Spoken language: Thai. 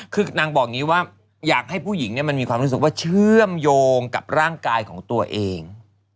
คือนางบอกอย่างนี้ว่าอยากให้ผู้หญิงมันมีความรู้สึกว่าเชื่อมโยงกับร่างกายของตัวเอง